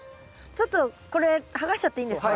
ちょっとこれ剥がしちゃっていいんですか？